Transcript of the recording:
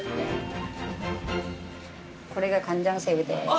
これがカンジャンセウです。